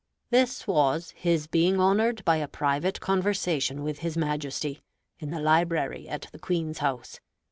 This was his being honored by a private conversation with his Majesty, in the library at the Queen's house.